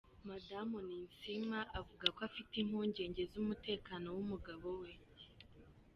Madamu Ninsiima avuga ko afite impungenge z’umutekano w’umugabo we.